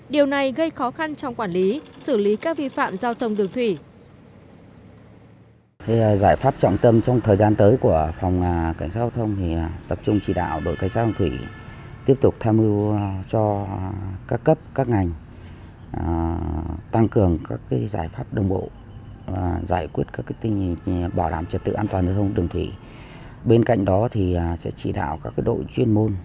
điều này gây khó khăn trong quản lý xử lý các vi phạm giao thông đường thủy